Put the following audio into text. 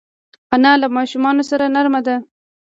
انا له ماشومانو سره نرمه ده